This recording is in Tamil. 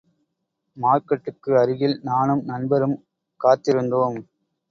மார்க்கெட்டுக்கு அருகில் நானும் நண்பரும் காத்திருந்தோம்.